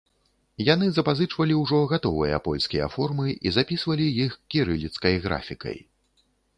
Яны запазычвалі ўжо гатовыя польскія формы і запісвалі іх кірыліцкай графікай.